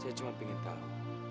saya cuma ingin tahu